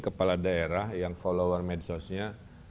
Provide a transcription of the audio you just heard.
kepala daerah yang follower medsosnya